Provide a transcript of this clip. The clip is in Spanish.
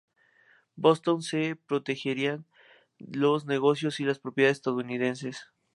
Boston que protegieran los negocios y propiedades estadounidenses.